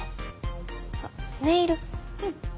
うん。